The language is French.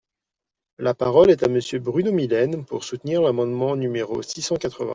La parole est à Monsieur Bruno Millienne, pour soutenir l’amendement numéro six cent quatre-vingts.